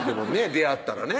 出会ったらね